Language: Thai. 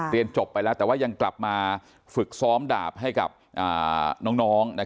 จบไปแล้วแต่ว่ายังกลับมาฝึกซ้อมดาบให้กับน้อง